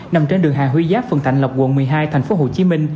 nằm trên đường hà huy giáp phường thạnh lộc quận một mươi hai tp hcm